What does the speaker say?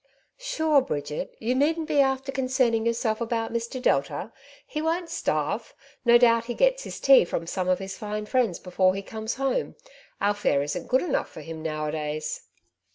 '^ Sure, Bridget, you needn't be after concerning yourself about Mr. Delta. He won't starve. No doubt he gets his tea with some of his fine friends before he comes home. Our fare isn't good enough for him now a days."